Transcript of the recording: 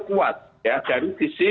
kuat dari sisi